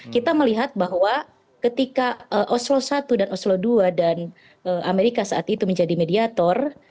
kita melihat bahwa ketika oslo satu dan oslo dua dan amerika saat itu menjadi mediator